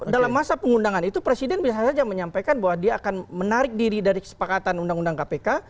dalam masa pengundangan itu presiden bisa saja menyampaikan bahwa dia akan menarik diri dari kesepakatan undang undang kpk